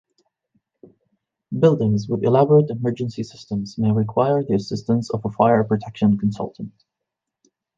Buildings with elaborate emergency systems may require the assistance of a fire protection consultant.